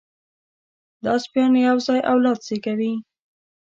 دا سپيان یو ځای اولاد زېږوي.